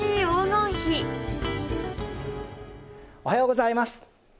おはようございます。